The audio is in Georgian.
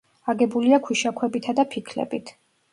აგებულია ქვიშაქვებითა და ფიქლებით.